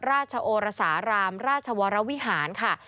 ราชโอรสารามราชวรวิหารค่ะ